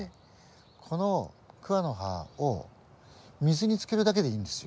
このクワの刃を水につけるだけでいいんですよ。